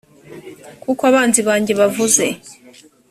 kuko abanzi banjye bavuze